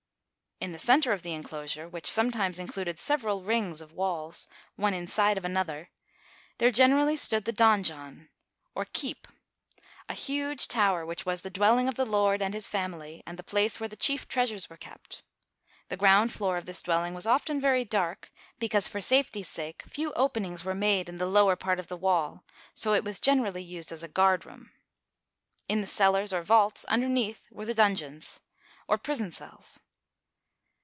In the center of the inclosure, which sometimes included several rings of walk, one inside of another, there generally stood the donjon, or keep, a huge tower which was the dwelling of the lord and his fam ily, and the place where the chief treasures were kept. The ground floor of this dwelling was often very dark, because, for safety's sake, few openings were made in the lower part of the wall, so it was generally used as a guard room. o. F. — 6 r^ T Digitized by VjOOQIC Part of Feudal Castle at Vitre. 86 OLD FRANCE In the cellars, or vaults, underneath were the dungeons, or prison cells.